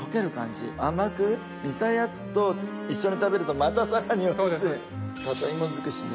甘く煮たやつと一緒に食べるとまたさらにおいしい。